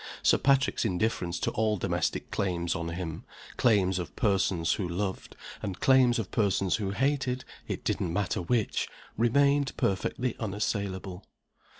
Sir Patrick's indifference to all domestic claims on him claims of persons who loved, and claims of persons who hated, it didn't matter which remained perfectly unassailable.